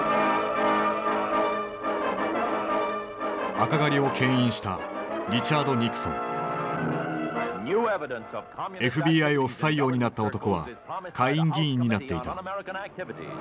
赤狩りを牽引したＦＢＩを不採用になった男は下院議員になっていた。